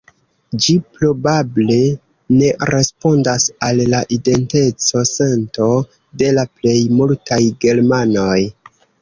Ĝi probable ne respondas al la identeco-sento de la plej multaj germanoj.